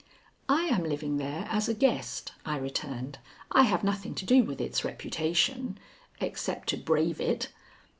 "I am living there as a guest," I returned. "I have nothing to do with its reputation except to brave it."